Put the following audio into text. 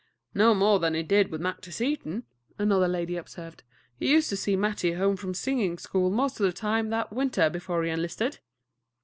"No more 'n he did with Mattie Seaton," another lady observed. "He used to see Mattie home from singing school most of the time that winter before he enlisted."